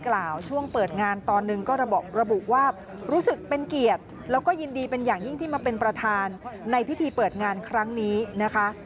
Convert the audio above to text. แล้วก็ยินดีเป็นอย่างยิ่งที่มาเป็นประธานในพิธีเปิดงานครั้งนี้นะคะ